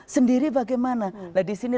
sendiri bagaimana nah disini